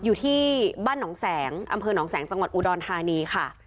อยู่ที่บ้านหนองแสงอำเภอหนองแสงจังหวัดอุดรธานีค่ะ